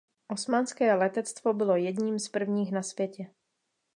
Osmanské letectvo bylo jedním z prvních na světě.